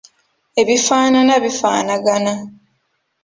Ebifaanana bifaanagana.